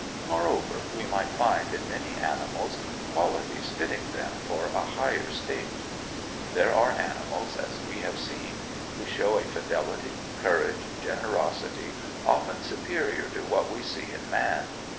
Moreover, we might find in many animals qualities fitting them for a higher state. There are animals, as we have seen, who show a fidelity, courage, generosity, often superior to what we see in man.